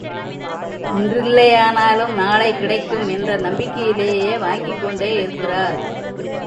இன்றில்லையானாலும் நாளை கிடைக்கும் என்ற நம்பிக்கையிலேயே வாங்கிக் கொண்டே இருக்கிறார்.